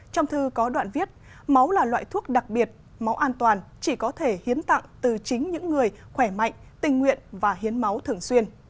trong thư có đoạn viết máu là loại thuốc đặc biệt máu an toàn chỉ có thể hiến tặng từ chính những người khỏe mạnh tình nguyện và hiến máu thường xuyên